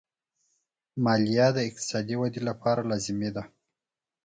مالیه د اقتصادي ودې لپاره لازمي ده.